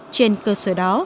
trên cơ sở đó